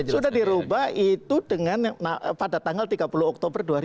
sudah dirubah itu pada tanggal tiga puluh oktober dua ribu lima belas